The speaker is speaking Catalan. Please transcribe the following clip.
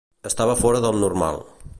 Estava fora del normal.